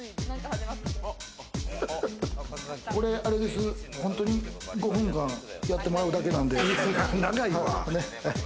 これ、あれです、本当に５分間やってもらうだけなんで。